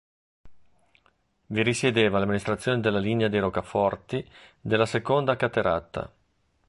Vi risiedeva l'amministrazione della linea di roccaforti della seconda cateratta.